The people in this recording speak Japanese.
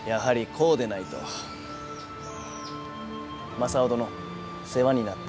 正雄殿世話になった。